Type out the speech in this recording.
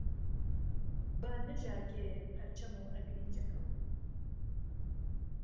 با نهژاکێ پهرچهم و ئهگریجهکهو